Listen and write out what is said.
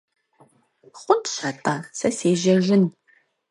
Хъунщ атӏэ, сэ сежьэжын.